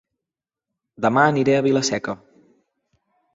Dema aniré a Vila-seca